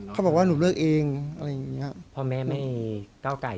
เขาบอกว่าหนูเลือกเองอะไรเงี้ยครับว่าแม่ให้เก้าก้าย